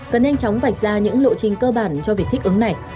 cần nhanh chóng vạch ra những lộ trình cơ bản cho việc thích ứng này